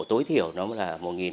tối thiểu nó là